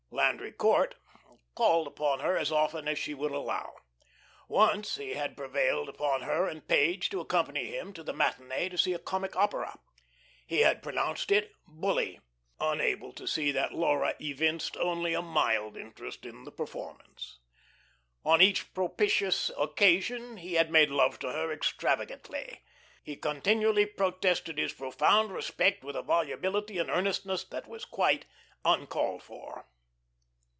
Landry Court called upon her as often as she would allow. Once he had prevailed upon her and Page to accompany him to the matinee to see a comic opera. He had pronounced it "bully," unable to see that Laura evinced only a mild interest in the performance. On each propitious occasion he had made love to her extravagantly. He continually protested his profound respect with a volubility and earnestness that was quite uncalled for.